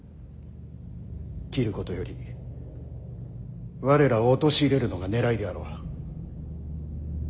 斬ることより我らを陥れるのがねらいであろう。